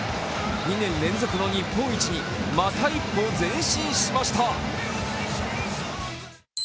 ２年連続の日本一にまた一歩前進しました。